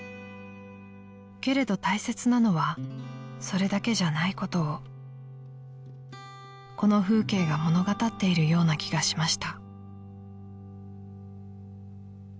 ［けれど大切なのはそれだけじゃないことをこの風景が物語っているような気がしました］